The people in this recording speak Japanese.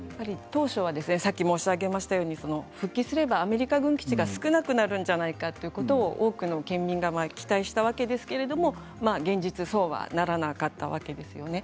当初は復帰すればアメリカ軍基地が少なくなるんじゃないかということを多くの県民が期待したわけですけれど現実、そうはならなかったわけですよね。